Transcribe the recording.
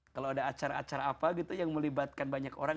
kalau ada acara acara apa gitu yang melibatkan banyak orang